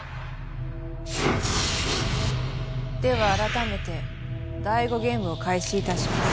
ではあらためて第５ゲームを開始いたします。